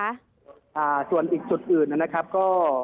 อ่าส่วนอีกจุดอื่นนั่นก็